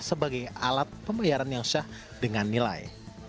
sebagai alat pembayaran yang sah dengan nilai